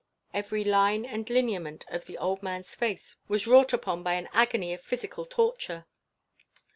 Every line and lineament of the old man's face was wrought upon by an agony of physical torture.